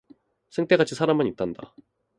생때같이 살아만 있단다.